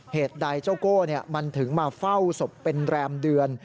เหตุใดเจ้าโก้มันถึงมาเฝ้าศพเป็นแรมเดือน